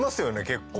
結構。